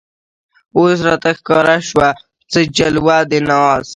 اوس راته ښکاره شوه څه جلوه د ناز